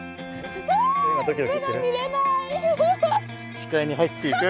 視界に入っていく。